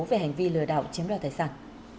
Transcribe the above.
về hành vi lừa đảo chiếm đoạt thái sản